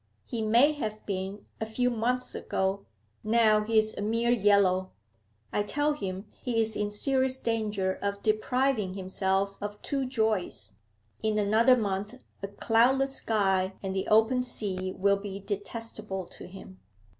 He may have been a few months ago; now he's a mere Yellow. I tell him he's in serious danger of depriving himself of two joys; in another month a cloudless sky and the open sea will he detestable to him.'